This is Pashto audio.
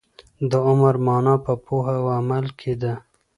د عمر مانا په پوهه او عمل کي ده.